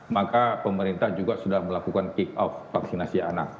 maka pemerintah juga sudah melakukan kick off vaksinasi anak